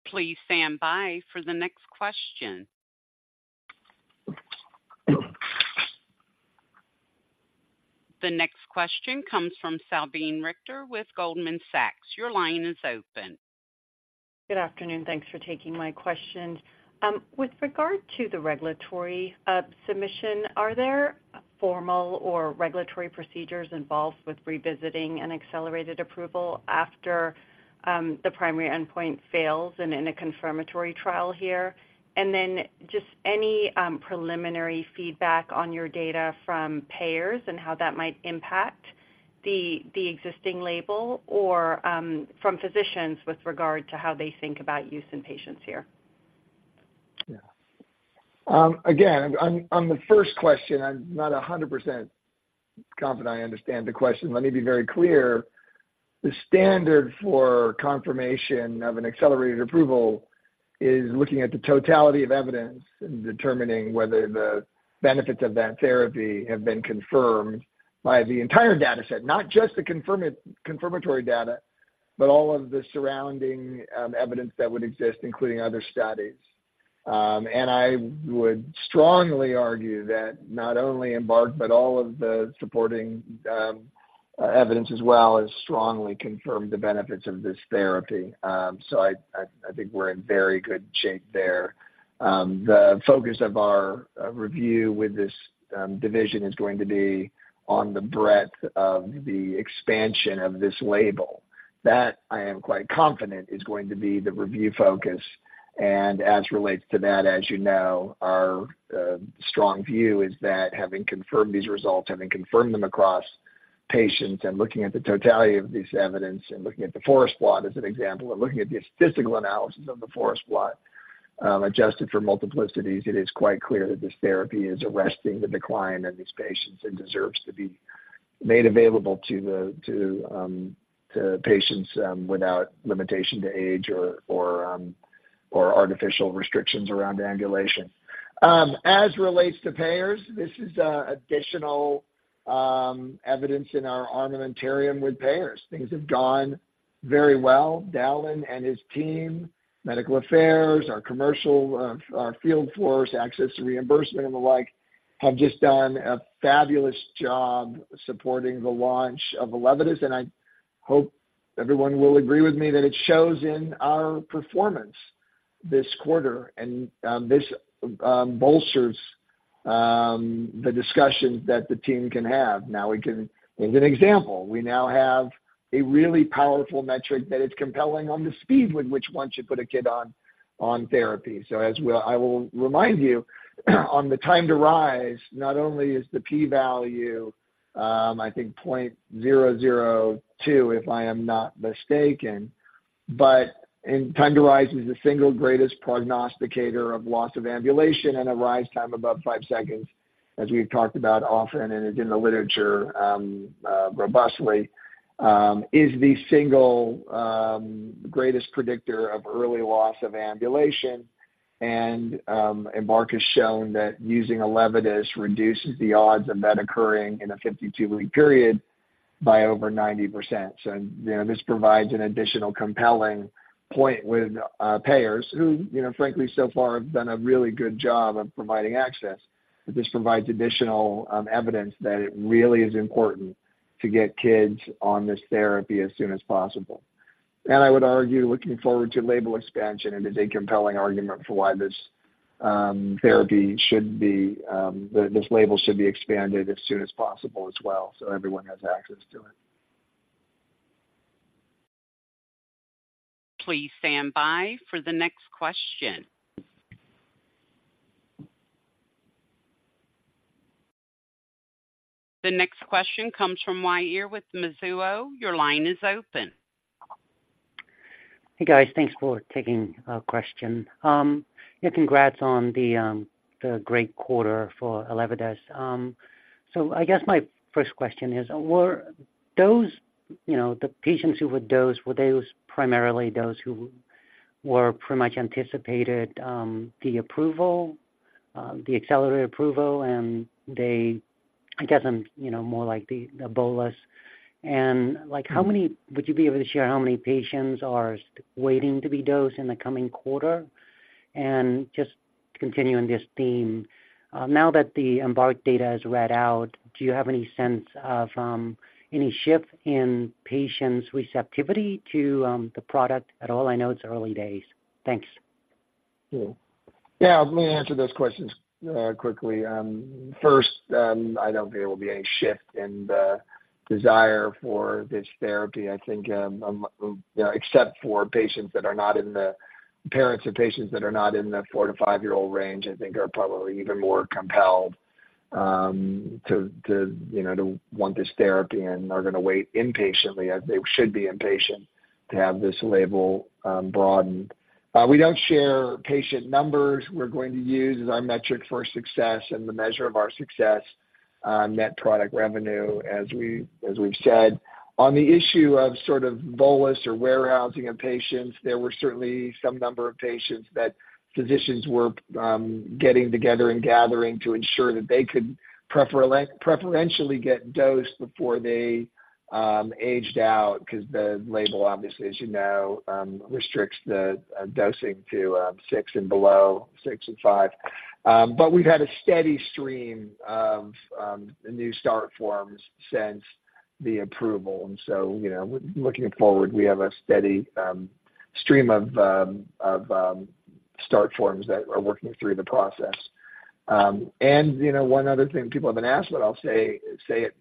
Please stand by for the next question. The next question comes from Salveen Richter with Goldman Sachs. Your line is open. Good afternoon. Thanks for taking my question. With regard to the regulatory submission, are there formal or regulatory procedures involved with revisiting an accelerated approval after the primary endpoint fails and in a confirmatory trial here? And then just any preliminary feedback on your data from payers and how that might impact the existing label or from physicians with regard to how they think about use in patients here? Yeah. Again, on the first question, I'm not 100% confident I understand the question. Let me be very clear. The standard for confirmation of an accelerated approval is looking at the totality of evidence and determining whether the benefits of that therapy have been confirmed by the entire data set, not just the confirmatory data, but all of the surrounding evidence that would exist, including other studies. And I would strongly argue that not only EMBARK, but all of the supporting evidence as well, has strongly confirmed the benefits of this therapy. So I think we're in very good shape there. The focus of our review with this division is going to be on the breadth of the expansion of this label. That I am quite confident is going to be the review focus, and as relates to that, as you know, our strong view is that having confirmed these results, having confirmed them across patients and looking at the totality of this evidence and looking at the forest plot as an example, and looking at the statistical analysis of the forest plot, adjusted for multiplicities, it is quite clear that this therapy is arresting the decline in these patients and deserves to be made available to the, to patients, without limitation to age or, or artificial restrictions around ambulation. As relates to payers, this is additional evidence in our armamentarium with payers. Things have gone very well. Dallan and his team, medical affairs, our commercial, our field force, access to reimbursement and the like, have just done a fabulous job supporting the launch of ELEVIDYS, and I hope everyone will agree with me that it shows in our performance this quarter, and this bolsters the discussions that the team can have. Now, we can... As an example, we now have a really powerful metric that is compelling on the speed with which once you put a kid on therapy. I will remind you, on the time to rise, not only is the p-value, I think 0.002, if I am not mistaken, but in time to rise is the single greatest prognosticator of loss of ambulation and a rise time above five seconds, as we've talked about often, and it's in the literature, robustly, is the single, greatest predictor of early loss of ambulation. And, EMBARK has shown that using ELEVIDYS reduces the odds of that occurring in a 52-week period by over 90%. So, you know, this provides an additional compelling point with, payers who, you know, frankly, so far have done a really good job of providing access. This provides additional, evidence that it really is important to get kids on this therapy as soon as possible. I would argue, looking forward to label expansion, it is a compelling argument for why this therapy should be, this label should be expanded as soon as possible as well, so everyone has access to it. Please stand by for the next question. The next question comes from Uy Ear, with Mizuho. Your line is open. Hey, guys. Thanks for taking our question. Yeah, congrats on the great quarter for ELEVIDYS. So I guess my first question is, were those, you know, the patients who were dosed, were those primarily those who were pretty much anticipated the approval, the accelerated approval, and they... I guess, you know, more like the, the bolus. And like, how many, would you be able to share how many patients are waiting to be dosed in the coming quarter? And just to continue on this theme, now that the EMBARK data is read out, do you have any sense of any shift in patients' receptivity to the product at all? I know it's early days. Thanks. Yeah. Yeah, let me answer those questions quickly. First, I don't think there will be any shift in the desire for this therapy. I think, you know, except for patients that are not in the—parents of patients that are not in the 4-5-year-old range, I think are probably even more compelled... to, you know, to want this therapy and are gonna wait impatiently, as they should be impatient, to have this label broadened. We don't share patient numbers. We're going to use as our metric for success and the measure of our success, net product revenue, as we, as we've said. On the issue of sort of bolus or warehousing of patients, there were certainly some number of patients that physicians were getting together and gathering to ensure that they could preferentially get dosed before they aged out. Because the label, obviously, as you know, restricts the dosing to six and below, six and five. But we've had a steady stream of new start forms since the approval. And so, you know, looking forward, we have a steady stream of start forms that are working through the process. And, you know, one other thing people haven't asked, but I'll say it,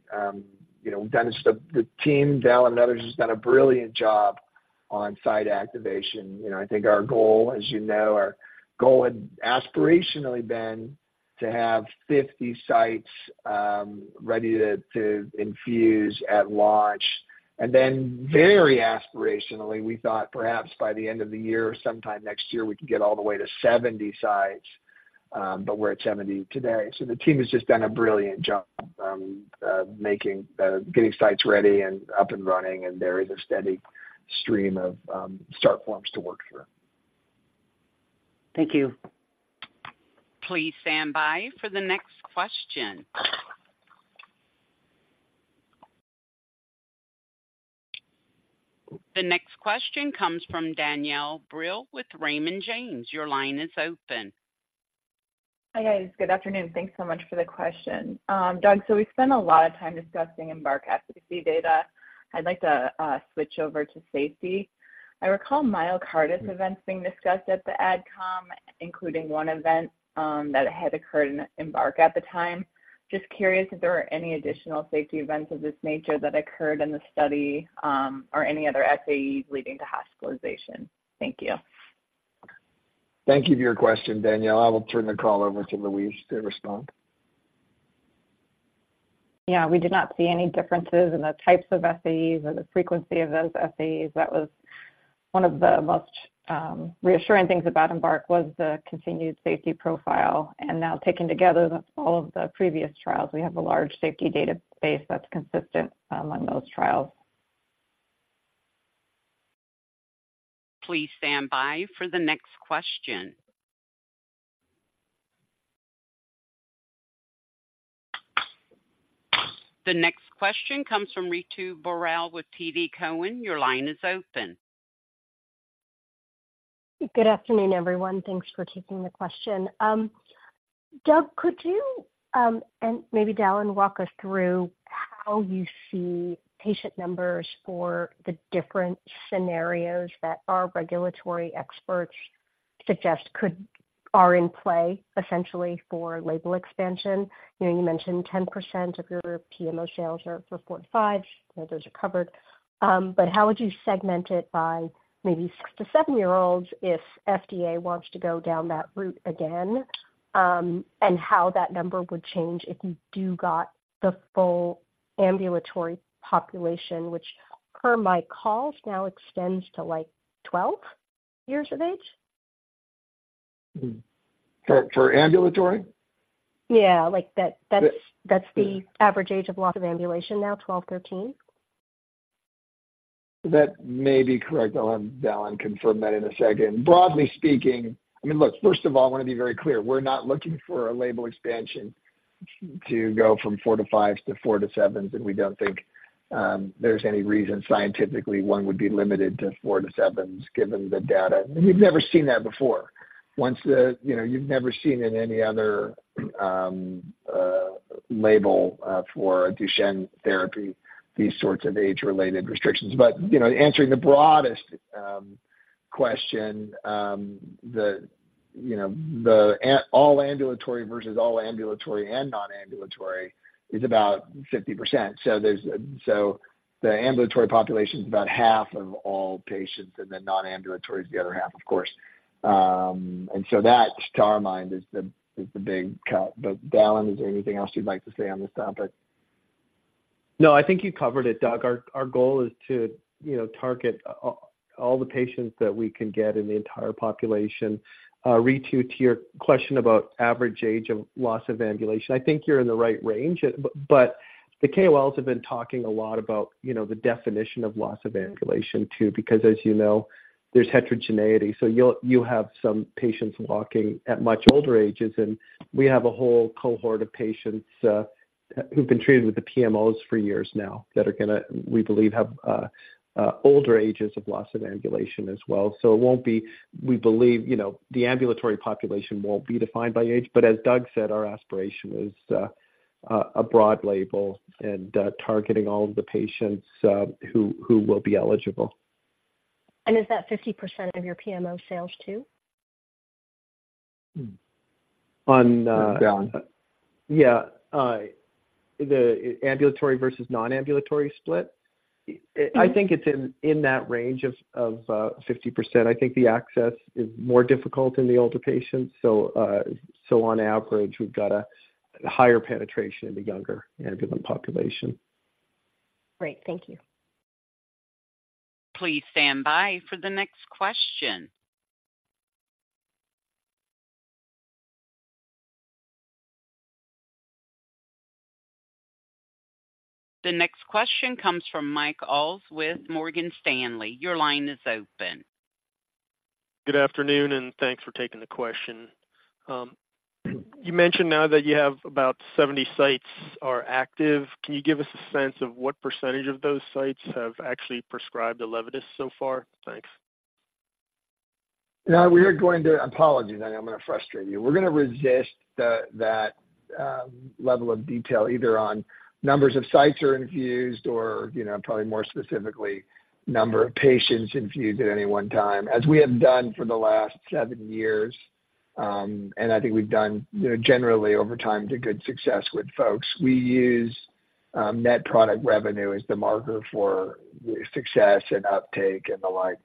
you know, Dennis, the team, Dale and others, has done a brilliant job on site activation. You know, I think our goal, as you know, our goal had aspirationally been to have 50 sites ready to infuse at launch. And then very aspirationally, we thought perhaps by the end of the year or sometime next year, we could get all the way to 70 sites, but we're at 70 today. So the team has just done a brilliant job making getting sites ready and up and running, and there is a steady stream of start forms to work through. Thank you. Please stand by for the next question. The next question comes from Danielle Brill with Raymond James. Your line is open. Hi, guys. Good afternoon. Thanks so much for the question. Doug, so we've spent a lot of time discussing EMBARK efficacy data. I'd like to switch over to safety. I recall myocarditis events being discussed at the AdCom, including one event that had occurred in EMBARK at the time. Just curious if there were any additional safety events of this nature that occurred in the study or any other SAEs leading to hospitalization. Thank you. Thank you for your question, Danielle. I will turn the call over to Louise to respond. Yeah, we did not see any differences in the types of SAEs or the frequency of those SAEs. That was one of the most reassuring things about EMBARK, was the continued safety profile. And now, taken together, that's all of the previous trials. We have a large safety database that's consistent among those trials. Please stand by for the next question. The next question comes from Ritu Baral with TD Cowen. Your line is open. Good afternoon, everyone. Thanks for taking the question. Doug, could you, and maybe Dallan, walk us through how you see patient numbers for the different scenarios that our regulatory experts suggest are in play, essentially, for label expansion? You know, you mentioned 10% of your PMO sales are for four to five-year-olds, those are covered. But how would you segment it by maybe six to seven-year-olds if FDA wants to go down that route again? And how that number would change if you do got the full ambulatory population, which, per my calls, now extends to, like, 12 years of age? For ambulatory? Yeah, like, that, that's- The- — that's the average age of loss of ambulation now, 12-13. That may be correct. I'll have Dale confirm that in a second. Broadly speaking, I mean, look, first of all, I want to be very clear, we're not looking for a label expansion to go from four to five to four to seven, and we don't think there's any reason scientifically one would be limited to four to seven, given the data. We've never seen that before. You know, you've never seen in any other label for Duchenne therapy, these sorts of age-related restrictions. But, you know, answering the broadest question, you know, the all ambulatory versus all ambulatory and nonambulatory is about 50%. So there's, so the ambulatory population is about 1/2 of all patients, and then nonambulatory is the other half, of course. And so that, to our mind, is the big cut. Dallen, is there anything else you'd like to say on this topic? No, I think you covered it, Doug. Our goal is to, you know, target all the patients that we can get in the entire population. Ritu, to your question about average age of loss of ambulation, I think you're in the right range, but the KOLs have been talking a lot about, you know, the definition of loss of ambulation, too, because, as you know, there's heterogeneity. So you'll—you have some patients walking at much older ages, and we have a whole cohort of patients who've been treated with the PMOs for years now, that are gonna, we believe, have older ages of loss of ambulation as well. So it won't be, we believe, you know, the ambulatory population won't be defined by age. But as Doug said, our aspiration is a broad label and targeting all of the patients who will be eligible. Is that 50% of your PMO sales, too? On, uh- Doug? Yeah, the ambulatory versus non-ambulatory split? I think it's in that range of 50%. I think the access is more difficult in the older patients. So, on average, we've got a higher penetration in the younger ambulant population. Great, thank you. Please stand by for the next question. The next question comes from Mike Ulz with Morgan Stanley. Your line is open. Good afternoon, and thanks for taking the question. You mentioned now that you have about 70 sites are active. Can you give us a sense of what percentage of those sites have actually prescribed ELEVIDYS so far? Thanks. Yeah, we are going to—apologies, I know I'm gonna frustrate you. We're gonna resist the level of detail, either on numbers of sites are infused or, you know, probably more specifically, number of patients infused at any one time, as we have done for the last seven years. And I think we've done, you know, generally over time, to good success with folks. We use net product revenue as the marker for success and uptake and the like.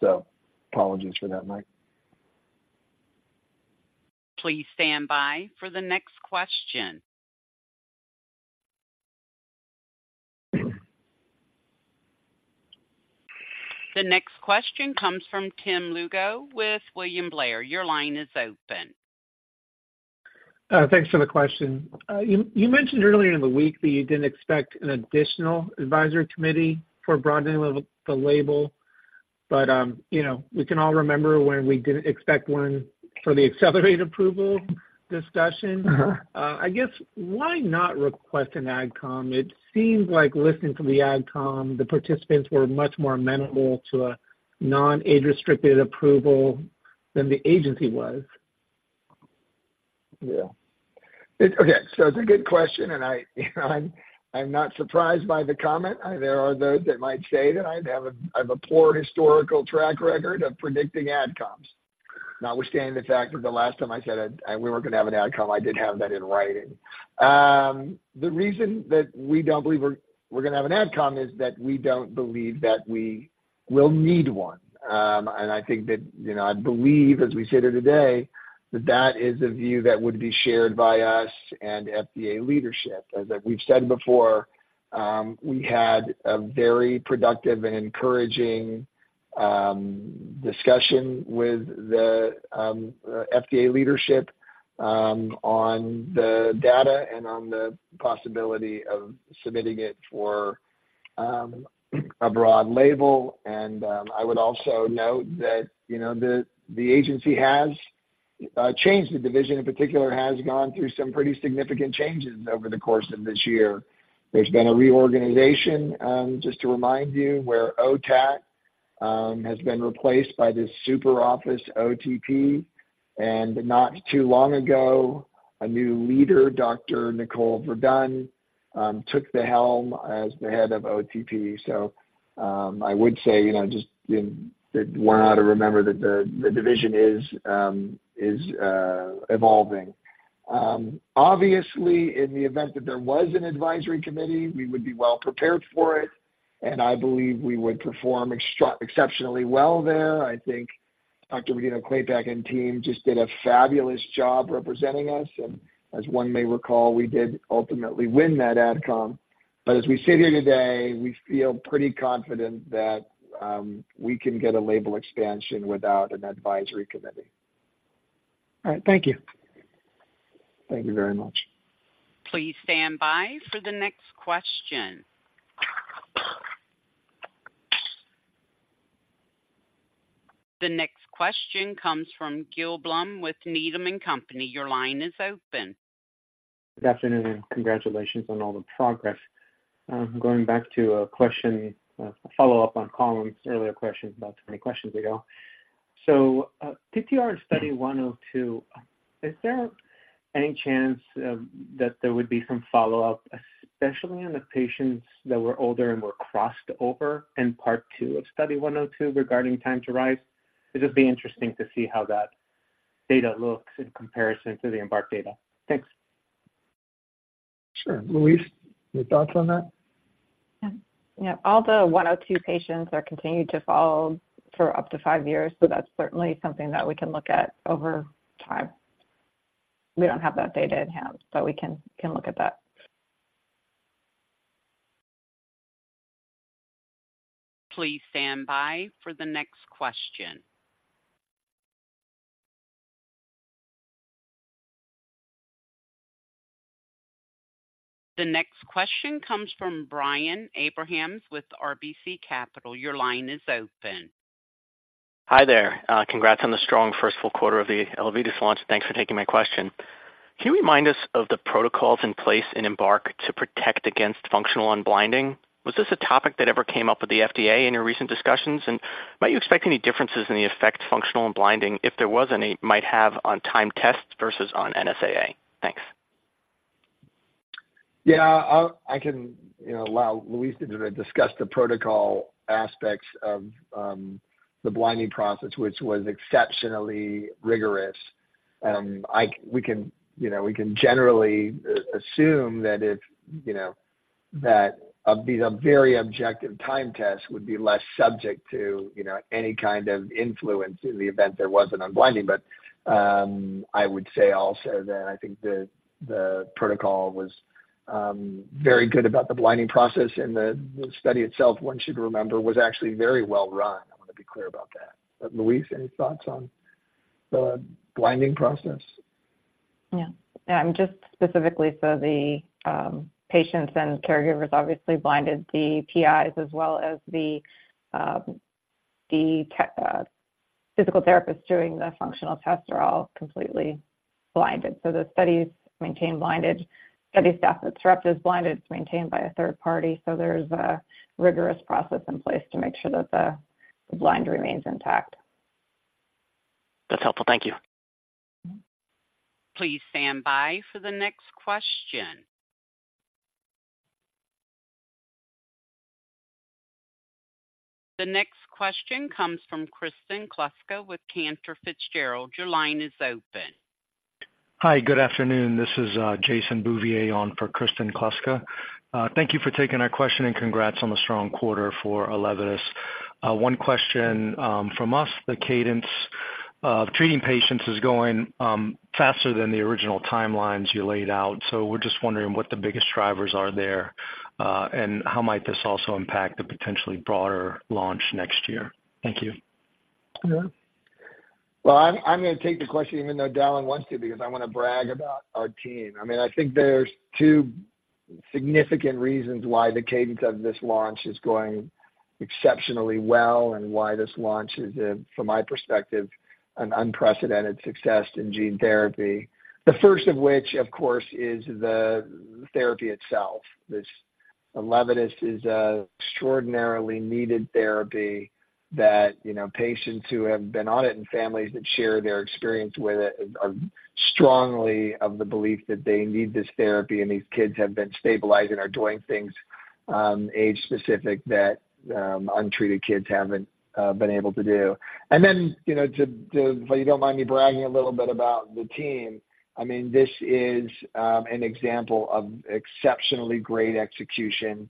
So apologies for that, Mike. Please stand by for the next question. The next question comes from Tim Lugo with William Blair. Your line is open. Thanks for the question. You mentioned earlier in the week that you didn't expect an additional advisory committee for broadening of the label, but you know, we can all remember when we didn't expect one for the accelerated approval discussion. Uh-huh. I guess, why not request an AdCom? It seems like listening to the AdCom, the participants were much more amenable to a non-age-restricted approval than the agency was. Yeah. Okay, so it's a good question, and I, you know, I'm not surprised by the comment. There are those that might say that I have a poor historical track record of predicting AdComs, notwithstanding the fact that the last time I said we were going to have an AdCom, I did have that in writing. The reason that we don't believe we're gonna have an AdCom is that we don't believe that we will need one. And I think that, you know, I believe, as we sit here today, that that is a view that would be shared by us and FDA leadership. As we've said before, we had a very productive and encouraging discussion with the FDA leadership on the data and on the possibility of submitting it for a broad label. And, I would also note that, you know, the agency has changed. The division, in particular, has gone through some pretty significant changes over the course of this year. There's been a reorganization, just to remind you, where OTAT has been replaced by this super office, OTP. And not too long ago, a new leader, Dr. Nicole Verdun, took the helm as the head of OTP. So, I would say, you know, just want to remember that the division is evolving. Obviously, in the event that there was an advisory committee, we would be well prepared for it, and I believe we would perform exceptionally well there. I think Dr. Regina Kurrasch and team just did a fabulous job representing us, and as one may recall, we did ultimately win that AdCom. But as we sit here today, we feel pretty confident that we can get a label expansion without an advisory committee. All right. Thank you. Thank you very much. Please stand by for the next question. The next question comes from Gil Blum with Needham & Company. Your line is open. Good afternoon, and congratulations on all the progress. Going back to a question, a follow-up on Colin's earlier question, about 20 questions ago. So, TTR study 102, is there any chance, that there would be some follow-up, especially on the patients that were older and were crossed over in part two of study 102 regarding time to rise? It would just be interesting to see how that data looks in comparison to the EMBARK data. Thanks. Sure. Louise, any thoughts on that? Yeah. Yeah, all the 102 patients are continued to follow for up to five years, so that's certainly something that we can look at over time. We don't have that data at hand, but we can, we can look at that. Please stand by for the next question. The next question comes from Brian Abrahams with RBC Capital. Your line is open. Hi there. Congrats on the strong first full quarter of the ELEVIDYS launch. Thanks for taking my question. Can you remind us of the protocols in place in EMBARK to protect against functional unblinding? Was this a topic that ever came up with the FDA in your recent discussions? And might you expect any differences in the effect, functional unblinding, if there was any, might have on time tests versus on NSAA? Thanks. Yeah, I can, you know, allow Louise to discuss the protocol aspects of, the blinding process, which was exceptionally rigorous.... I, we can, you know, we can generally assume that if, you know, that these are very objective time tests would be less subject to, you know, any kind of influence in the event there was an unblinding. But, I would say also that I think the protocol was very good about the blinding process and the study itself, one should remember, was actually very well run. I want to be clear about that. But Louise, any thoughts on the blinding process? Yeah. I'm just specifically so the patients and caregivers obviously blinded, the PIs as well as the tech physical therapists doing the functional tests are all completely blinded. So the studies maintain blinded. Study staff at Sarepta is blinded; it's maintained by a third party, so there's a rigorous process in place to make sure that the blind remains intact. That's helpful. Thank you. Please stand by for the next question. The next question comes from Kristen Kluska with Cantor Fitzgerald. Your line is open. Hi, good afternoon. This is Jason Bouvier on for Kristen Kluska. Thank you for taking our question, and congrats on the strong quarter for ELEVIDYS. One question from us, the cadence of treating patients is going faster than the original timelines you laid out. So we're just wondering what the biggest drivers are there, and how might this also impact the potentially broader launch next year? Thank you. Well, I'm gonna take the question, even though Dallan wants to, because I wanna brag about our team. I mean, I think there's two significant reasons why the cadence of this launch is going exceptionally well and why this launch is, from my perspective, an unprecedented success in gene therapy. The first of which, of course, is the therapy itself. This ELEVIDYS is an extraordinarily needed therapy that, you know, patients who have been on it and families that share their experience with it, are strongly of the belief that they need this therapy, and these kids have been stabilizing, are doing things, age-specific, that, untreated kids haven't, been able to do. And then, you know, to—if you don't mind me bragging a little bit about the team, I mean, this is an example of exceptionally great execution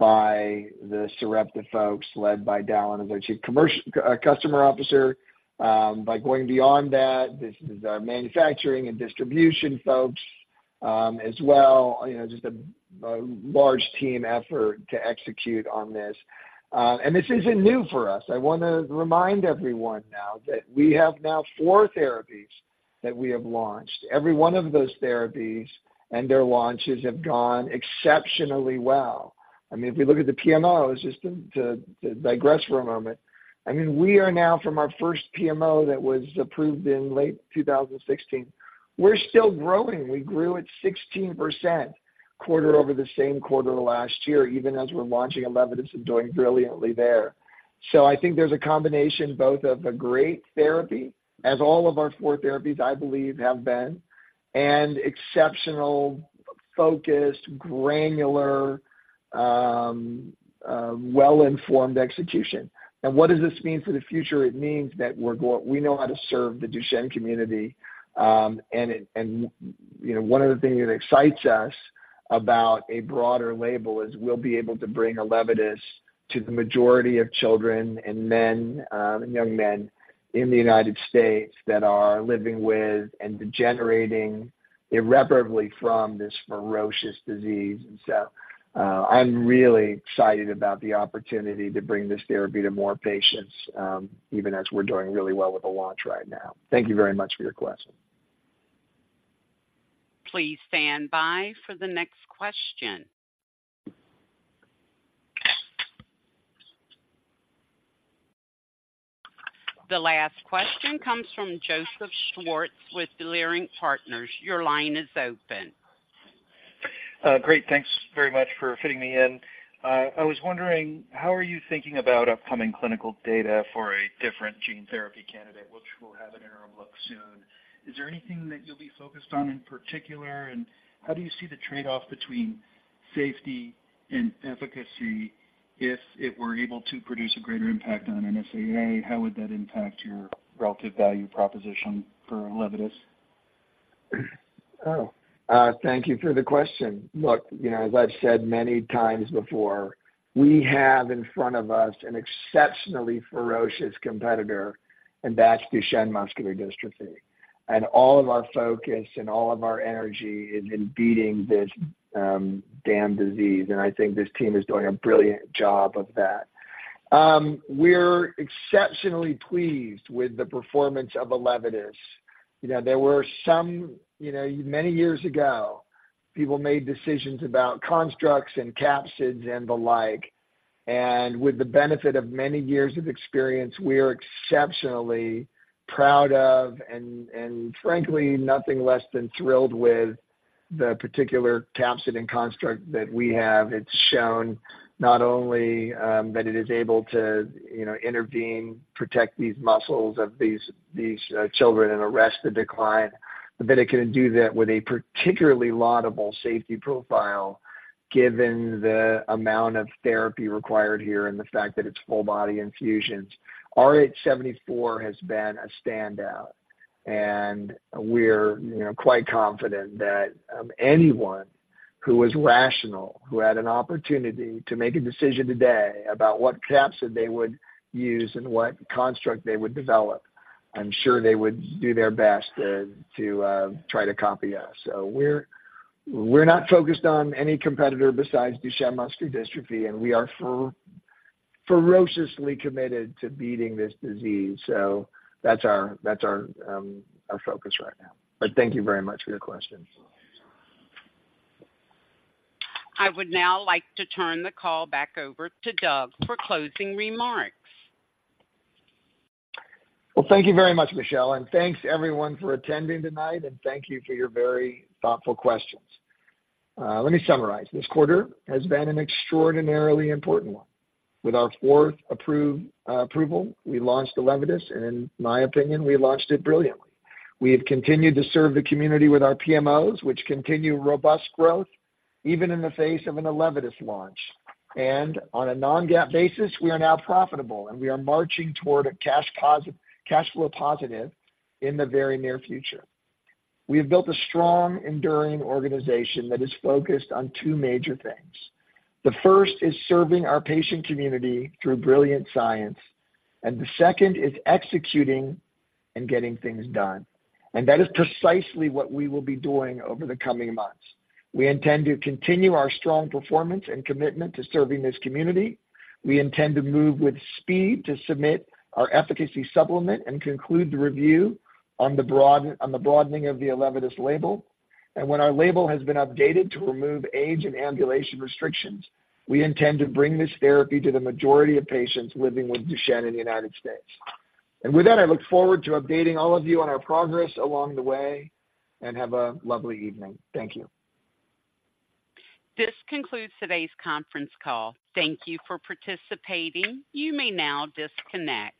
by the Sarepta folks, led by Dallan, as our Chief Commercial-Customer Officer. By going beyond that, this is our manufacturing and distribution folks, as well, you know, just a large team effort to execute on this. And this isn't new for us. I wanna remind everyone now that we have now four therapies that we have launched. Every one of those therapies and their launches have gone exceptionally well. I mean, if you look at the PMOs, just to digress for a moment, I mean, we are now from our first PMO that was approved in late 2016, we're still growing. We grew at 16% quarter over the same quarter last year, even as we're launching ELEVIDYS and doing brilliantly there. So I think there's a combination both of a great therapy, as all of our four therapies, I believe, have been, and exceptional, focused, granular, well-informed execution. And what does this mean for the future? It means that we're we know how to serve the Duchenne community. And it... And, you know, one of the things that excites us about a broader label is we'll be able to bring ELEVIDYS to the majority of children and men, young men in the United States that are living with and degenerating irreparably from this ferocious disease. And so, I'm really excited about the opportunity to bring this therapy to more patients, even as we're doing really well with the launch right now. Thank you very much for your question. Please stand by for the next question. The last question comes from Joseph Schwartz with Leerink Partners. Your line is open. Great, thanks very much for fitting me in. I was wondering, how are you thinking about upcoming clinical data for a different gene therapy candidate, which we'll have it in our look soon? Is there anything that you'll be focused on in particular? And how do you see the trade-off between safety and efficacy if it were able to produce a greater impact on an NSAA? How would that impact your relative value proposition for ELEVIDYS? Oh, thank you for the question. Look, you know, as I've said many times before, we have in front of us an exceptionally ferocious competitor, and that's Duchenne muscular dystrophy. And all of our focus and all of our energy is in beating this damn disease, and I think this team is doing a brilliant job of that. We're exceptionally pleased with the performance of ELEVIDYS. You know, there were some, you know, many years ago, people made decisions about constructs and capsids and the like, and with the benefit of many years of experience, we are exceptionally proud of and frankly, nothing less than thrilled with the particular capsid and construct that we have. It's shown not only that it is able to, you know, intervene, protect these muscles of these children and arrest the decline.... But it can do that with a particularly laudable safety profile, given the amount of therapy required here and the fact that it's full body infusions. RH74 has been a standout, and we're, you know, quite confident that anyone who was rational, who had an opportunity to make a decision today about what capsid they would use and what construct they would develop, I'm sure they would do their best to try to copy us. So we're, we're not focused on any competitor besides Duchenne muscular dystrophy, and we are ferociously committed to beating this disease. So that's our, that's our, our focus right now. But thank you very much for your question. I would now like to turn the call back over to Doug for closing remarks. Well, thank you very much, Michelle, and thanks everyone for attending tonight, and thank you for your very thoughtful questions. Let me summarize. This quarter has been an extraordinarily important one. With our fourth approved approval, we launched ELEVIDYS, and in my opinion, we launched it brilliantly. We have continued to serve the community with our PMOs, which continue robust growth, even in the face of an ELEVIDYS launch. And on a non-GAAP basis, we are now profitable, and we are marching toward cash flow positive in the very near future. We have built a strong, enduring organization that is focused on two major things. The first is serving our patient community through brilliant science, and the second is executing and getting things done. And that is precisely what we will be doing over the coming months. We intend to continue our strong performance and commitment to serving this community. We intend to move with speed to submit our efficacy supplement and conclude the review on the broad, on the broadening of the ELEVIDYS label. When our label has been updated to remove age and ambulation restrictions, we intend to bring this therapy to the majority of patients living with Duchenne in the United States. With that, I look forward to updating all of you on our progress along the way, and have a lovely evening. Thank you. This concludes today's conference call. Thank you for participating. You may now disconnect.